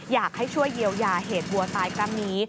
อยากให้ช่วยเยียวยาเหตุวัวตายครั้งนี้